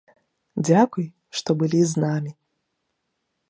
Дзякуй, што былі з намі!